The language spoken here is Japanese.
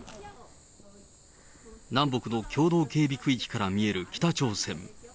南北の共同警備区域から見える北朝鮮。